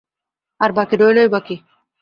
আর বাকি রইলই বা কী!